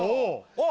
あっ！